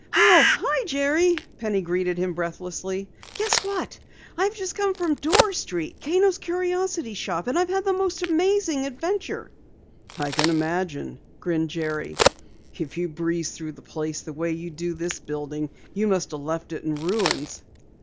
"Oh, hello, Jerry!" Penny greeted him breathlessly. "Guess what? I've just come from Dorr Street Kano's Curio Shop and I had the most amazing adventure!" "I can imagine," grinned Jerry. "If you breezed through the place the way you do this building, you must have left it in ruins."